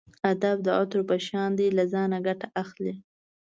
ادب د عطرو په شان دی له ځانه ګټه اخلئ.